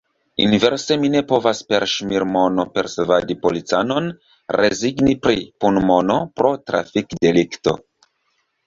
Inverse mi ne povas per ŝmirmono persvadi policanon rezigni pri punmono pro trafikdelikto.